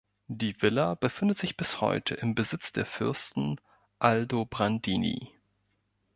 Die Villa befindet sich bis heute im Besitz der Fürsten Aldobrandini.